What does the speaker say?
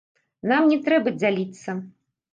Нам не трэба дзяліцца.